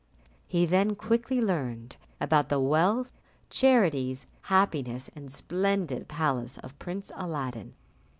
He then quickly learnt about the wealth, charities, happiness, and splendid palace of Prince Aladdin.